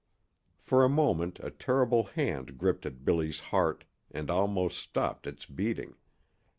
For a moment a terrible hand gripped at Billy's heart and almost stopped its beating.